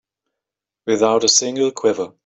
Without a single quiver.